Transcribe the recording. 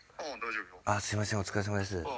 すいませんお疲れさまです。